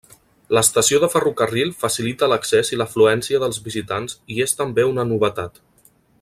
L'estació de ferrocarril facilita l'accés i l'afluència dels visitants i és també una novetat.